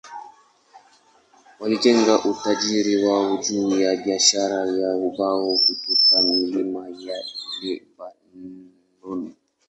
Walijenga utajiri wao juu ya biashara ya ubao kutoka milima ya Lebanoni.